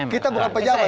kita buat pejabat